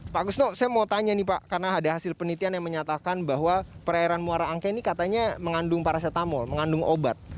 pak kusno saya mau tanya nih pak karena ada hasil penelitian yang menyatakan bahwa perairan muara angke ini katanya mengandung paracetamol mengandung obat